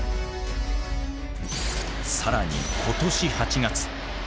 更に今年８月。